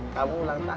kamu ulang tahun